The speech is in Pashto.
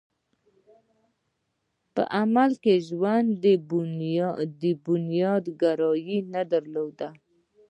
په عملي ژوند کې یې بنياد ګرايي نه درلوده.